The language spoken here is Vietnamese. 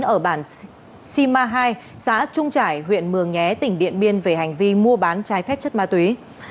ở bản sima hai xã trung trải huyện mường nhé tỉnh điện biên về hành vi mua bán trái phép chất ma túy